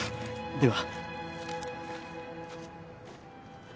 では。